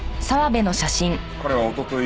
彼はおととい